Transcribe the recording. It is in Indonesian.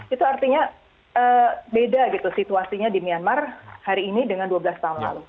itu artinya beda gitu situasinya di myanmar hari ini dengan dua belas tahun lalu